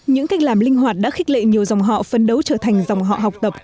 những cách làm linh hoạt đã khích lệ nhiều dòng họ phân đấu trở thành dòng họ học tập